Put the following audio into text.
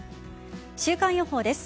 週間予報です。